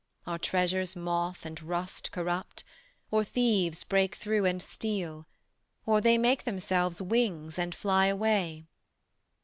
Our treasures moth and rust corrupt, Or thieves break through and steal, or they Make themselves wings and fly away.